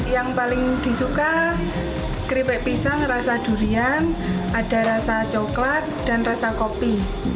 yang paling disuka keripik pisang rasa durian ada rasa coklat dan rasa kopi